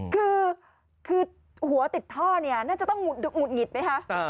คือหัวติดท่อเนี่ยน่าจะต้องหุดหงิดไหมคะ